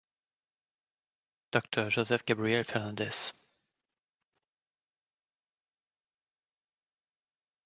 Doctor Joseph Gabriel Fernandez.